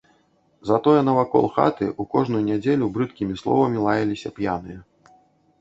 Затое навакол хаты ў кожную нядзелю брыдкімі словамі лаяліся п'яныя.